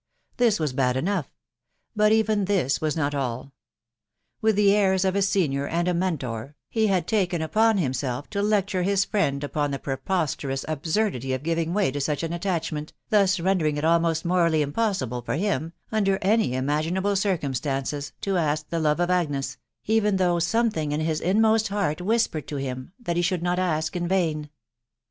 This was bad enough ; but even this was not all. With the airs of a senior and a Mentor, he had taken upon himself to lecture his friend upon the preposterous absurdity of giving way to such an attachment, thus rendering it almost morally impossible for him, \mdet axrj Vma^xo&te cbtcqsgl stances, to ask the love of Agnes, even \X\o\x^dl TOTraftsay&^at THE WIDOW BABNAB?. 263 his inmost heart whispered to him that be should not ask in vain.